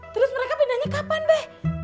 terus mereka pindahnya kapan mbak